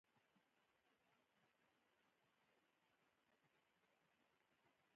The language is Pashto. ژورې سرچینې د افغانانو د فرهنګي پیژندنې یوه ډېره مهمه برخه ده.